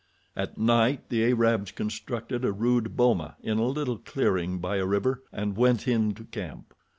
At night the Arabs constructed a rude boma in a little clearing by a river, and went into camp.